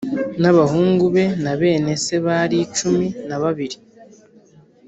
n abahungu be na bene se bari cumi na babiri